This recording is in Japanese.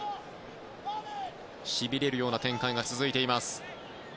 しびれるような展開が続いています。